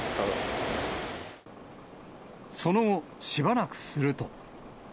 その後、しばらくすると。